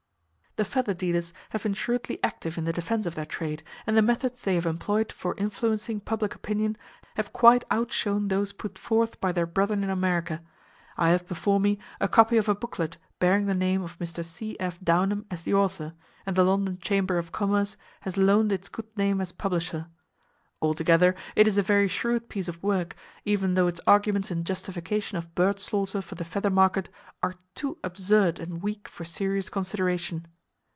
The feather dealers have been shrewdly active in the defense of their trade, and the methods they have employed for influencing public opinion have quite outshone those put forth by their brethren in America. I have before me a copy of a booklet bearing the name of Mr. C.F. Downham as the author, and the London Chamber of Commerce has loaned its good name as publisher. Altogether it is a very shrewd piece of work, even though its arguments in justification of bird slaughter for the feather market are too absurd and weak for serious consideration.